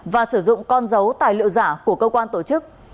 và sử dụng con dấu tài liệu giả của cơ quan tổ chức